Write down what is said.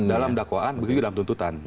dalam dakwaan begitu juga dalam tuntutan